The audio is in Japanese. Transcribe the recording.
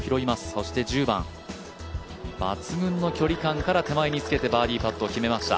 そして、１０番、抜群の距離感から手前につけてバーディーパットを決めました。